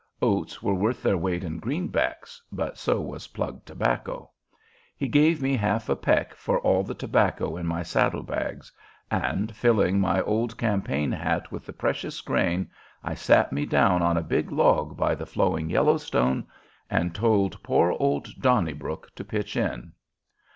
Oats were worth their weight in greenbacks, but so was plug tobacco. He gave me half a peck for all the tobacco in my saddle bags, and, filling my old campaign hat with the precious grain, I sat me down on a big log by the flowing Yellowstone and told poor old "Donnybrook" to pitch in.